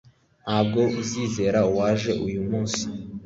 Ntabwo uzizera uwaje uyu munsi